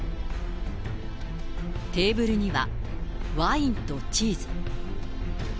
テーブルにはワインとチーズ。